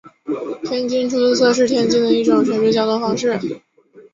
天津出租车是天津的一种城市交通方式。